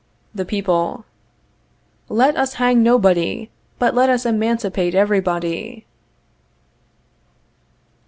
The People. Let us hang nobody, but let us emancipate everybody.